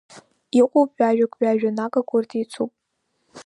Иҟоуп ҩажәак, ҩажәа нагак, урҭ еицуп…